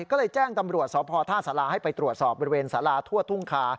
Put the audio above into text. ก็เลยแจ้งตำรวจสพท่าสาราให้ไปตรวจสอบบริเวณสาราทั่วทุ่งคา